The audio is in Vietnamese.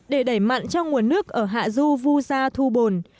để đẩy mặn cho nguồn nước ở hạ du vu gia thu bồn